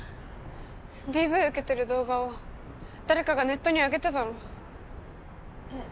ＤＶ受けてる動画を誰かがネットに上げてたのえっ